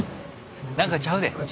何かちゃうで。